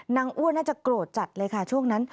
อ้วนน่าจะโกรธจัดเลยค่ะช่วงนั้น